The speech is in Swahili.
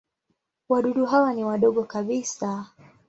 Wadudu hawa ni wadogo kabisa.